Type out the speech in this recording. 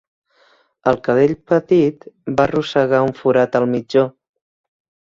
El cadell petit va rosegar un forat al mitjó.